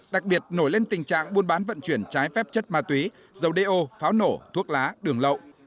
đặc biệt nổi lên tình trạng buôn bán vận chuyển trái phép chất ma túy dầu đeo pháo nổ thuốc lá đường lậu